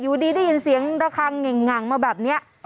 อยู่ดีได้ยินเสียงระคังเหง่างมาแบบนี้